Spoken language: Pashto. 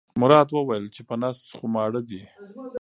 مراد وویل چې په نس خو ماړه دي.